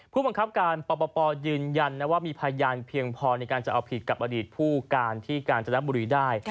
ผู้บังคับการปปยืนยันนะว่ามีพยานเพียงพอในการจะเอาผิดกับอดีตผู้การที่กาญจนบุรีได้